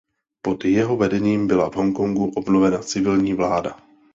Pod jeho vedením byla v Hongkongu obnovena civilní vláda.